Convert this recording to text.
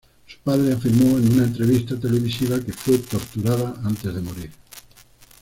Su padre afirmó en una entrevista televisiva que fue torturada antes de morir.